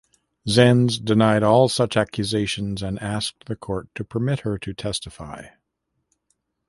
Zenz denied all such accusations and asked the court to permit her to testify.